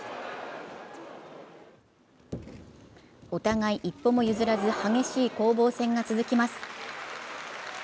お互い一歩も譲らず、激しい攻防戦が続きます。